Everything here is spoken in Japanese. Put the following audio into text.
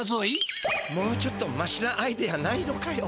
もうちょっとマシなアイデアないのかよ。